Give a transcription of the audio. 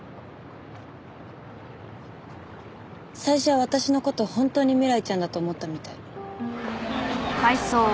最初は私の事本当に未来ちゃんだと思ったみたい。